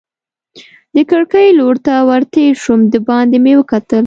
د کړکۍ لور ته ور تېر شوم، دباندې مې وکتل.